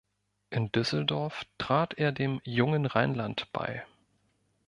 In Düsseldorf trat er dem "Jungen Rheinland" bei.